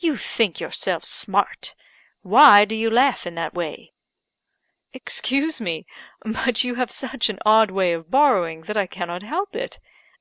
"You think yourselves smart! Why do you laugh in that way?" "Excuse me but you have such an odd way of borrowing that I cannot help it.